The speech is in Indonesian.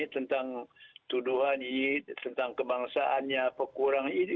tentang tuduhan ini tentang kebangsaannya pekurangan itu